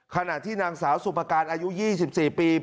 ขณะที่นางสาวสุภาการอายุ๒๔ปี